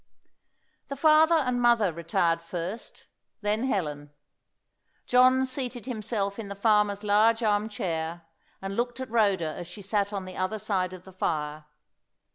The father and mother retired first, then Helen. John seated himself in the farmer's large arm chair, and looked at Rhoda as she sat on the other side of the fire.